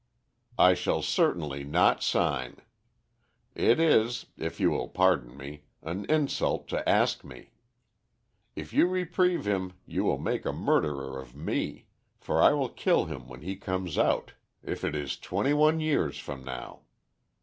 "I shall certainly not sign. It is, if you will pardon me, an insult to ask me. If you reprieve him you will make a murderer of me, for I will kill him when he comes out, if it is twenty years from now.